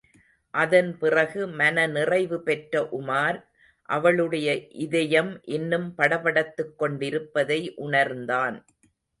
அதன் பிறகு, மனநிறைவு பெற்ற உமார், அவளுடைய இதயம் இன்னும் படபடத்துக் கொண்டிருப்பதை உணர்ந்தான்.